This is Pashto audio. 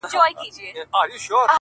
• كه بې وفا سوې گراني ،